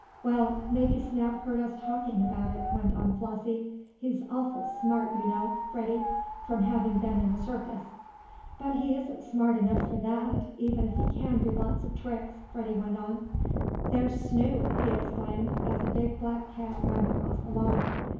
"Well, maybe Snap heard us talking about it," went on Flossie. "He's awful smart, you know, Freddie, from having been in a circus." "But he isn't smart enough for that, even if he can do lots of tricks," Freddie went on. "There's Snoop!" he exclaimed, as a big, black cat ran across the lawn.